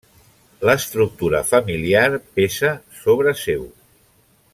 L'estructura familiar pesa sobre seu.